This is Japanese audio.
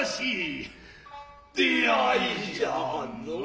出逢いじゃのう。